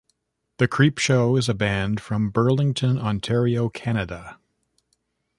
The Creepshow is a band from Burlington, Ontario, Canada.